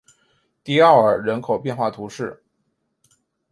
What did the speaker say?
迪奥尔人口变化图示